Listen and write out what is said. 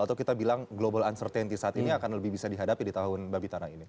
atau kita bilang global uncertainty saat ini akan lebih bisa dihadapi di tahun babi tanah ini